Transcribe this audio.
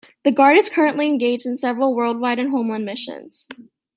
The Guard is currently engaged in several worldwide and homeland missions.